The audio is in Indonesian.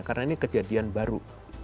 karena ini kejadian baru